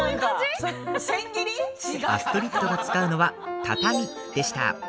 アストリッドが使うのは畳でした。